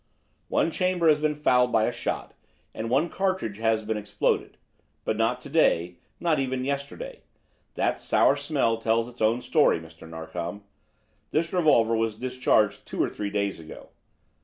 "One chamber has been fouled by a shot and one cartridge has been exploded. But not to day, not even yesterday. That sour smell tells its own story, Mr. Narkom. This revolver was discharged two or three days ago.